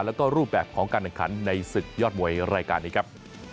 แล้วก็รูปแบบของการแข่งขันในศึกยอดมวยรายการนี้ครับ